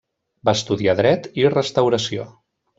Va estudiar Dret i Restauració.